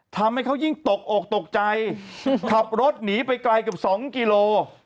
ทำให้เขายิ่งตกอกตกใจขับรถหนีไปไกลเกือบ๒กิโล